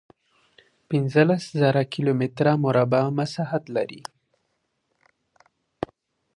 پنځلس زره کیلومتره مربع مساحت لري.